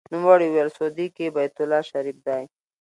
نوموړي وویل: سعودي کې بیت الله شریف دی.